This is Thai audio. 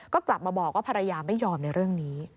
ก็กลับมาบอกว่าภรรยาไม่ยอมในเรื่องนี้